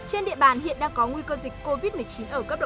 trên địa bàn hiện đang có nguy cơ dịch covid một mươi chín ở cấp độ